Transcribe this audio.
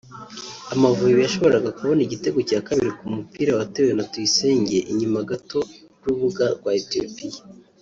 Amavubi yashoboraga kubona igitego cya kabiri ku mupira watewe na Tuyisenge inyuma gato y’urubuga rwa Ethiopia